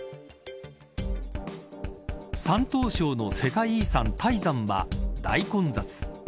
山東省の世界遺産、泰山は大混雑。